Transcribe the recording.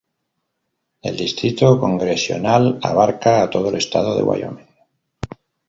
El distrito congresional abarca a todo el estado de Wyoming.